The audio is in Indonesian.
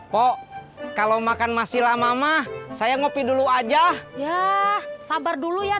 pok kalau makan masih lama mah saya ngopi dulu aja ya sabar dulu ya